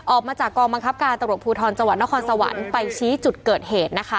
ออกมาจากกองบังคับการตำรวจภูทรจังหวัดนครสวรรค์ไปชี้จุดเกิดเหตุนะคะ